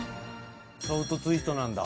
ソフトツイストなんだ？